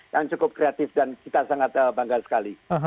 yang cukup kreatif dan kita sangat bangga sekali